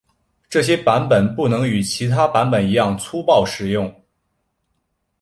这些版本不能与其他版本一样粗暴使用。